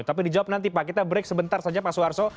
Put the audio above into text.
tapi dijawab nanti pak kita break sebentar saja pak suharto